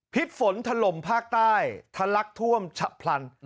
ทิศฝนถล่มภาคใต้ทะลักท่วมฉับพลัน